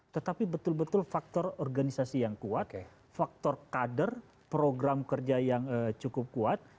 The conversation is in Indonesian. tetapi betul betul faktor organisasi yang kuat faktor kader program kerja yang cukup kuat